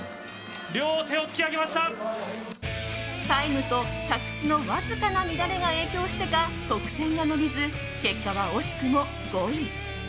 タイムと着地のわずかな乱れが影響してか得点が伸びず結果は惜しくも５位。